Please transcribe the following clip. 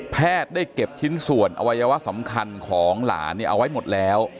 แพทย์ได้เก็บชิ้นส่วนอวัยวะสำคัญของหลานเอาไว้หมดแล้ว